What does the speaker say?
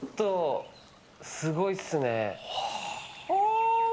すごいですね。